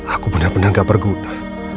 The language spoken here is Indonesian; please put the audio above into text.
aku benar benar gak berguna